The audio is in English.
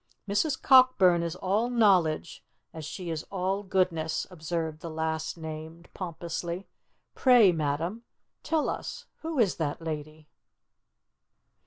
"Mrs. Cockburn is all knowledge, as she is all goodness," observed the last named, pompously. "Pray, ma'am, tell us who is that lady?"